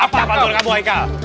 apa pantun kamu aikal